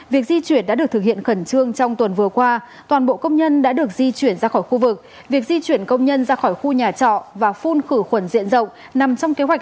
việc di chuyển đã được thực hiện khẩn trương trong tuần vừa qua toàn bộ công nhân đã được di chuyển ra khỏi khu vực